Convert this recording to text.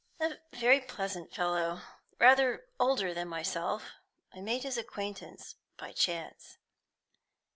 "A very pleasant fellow, rather older than myself; I made his acquaintance by chance."